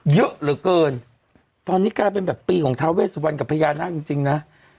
เยอะเหลือเกินตอนนี้ก็ได้เป็นแบบปีของกับพญานาคจริงนะ